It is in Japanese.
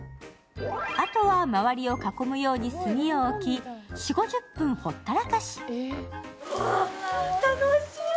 あとは周りを囲むように炭を置き、４０５０分ほったらかし。